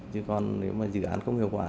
chứ còn nếu mà dự án không hiệu quả